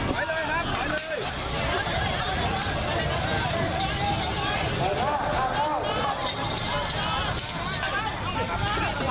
จับกลุ่มนี่ถูกหลุม